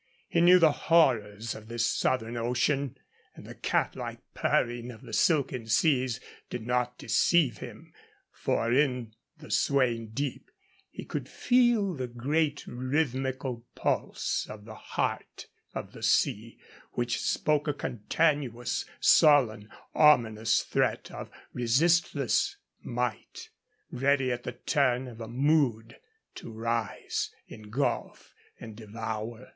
He knew the horrors of this southern ocean, and the catlike purring of the silken seas did not deceive him; for in the swaying deep he could feel the great rhythmical pulse of the heart of the sea, which spoke a continuous, sullen, ominous threat of resistless might, ready at the turn of a mood to rise, engulf, and devour.